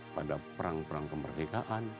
pada perang perang kemerdekaan